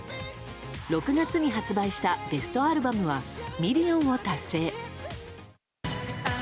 ６月に発売したベストアルバムはミリオンを達成。